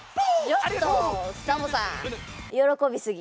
ちょっとサボさんよろこびすぎ。